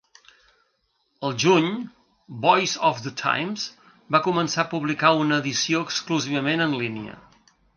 Al juny, "Voice of the Times" va començar a publicar una edició exclusivament en línia.